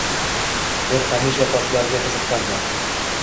Men hamisha toshlarga qiziqqanman